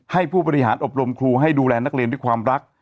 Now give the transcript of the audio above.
ให้ผู้บริหารอบรมครูให้ดูแลนักเรียนด้วยความรัก